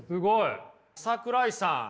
桜井さん。